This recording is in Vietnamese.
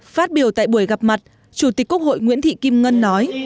phát biểu tại buổi gặp mặt chủ tịch quốc hội nguyễn thị kim ngân nói